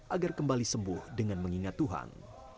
agar kembali sembuh dengan mengingat tuhan